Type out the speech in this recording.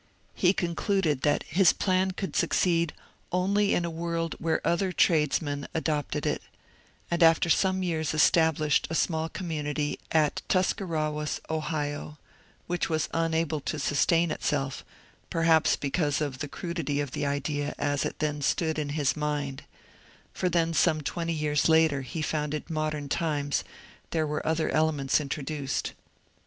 He concluded that his plan could succeed only in a world where other tradesmen adopted it, and after some years established a small com^ munity at Tuscarawas, Ohio, which was unable to sustain itself, perhaps because of the crudity of the idea as it then stood in his mind; for when some twenty years later he founded Modem Times there were other elements introduced.